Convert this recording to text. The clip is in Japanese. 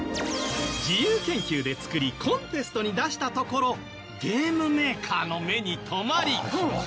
自由研究で作りコンテストに出したところゲームメーカーの目に留まり